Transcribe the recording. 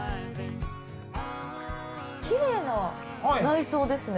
きれいな内装ですね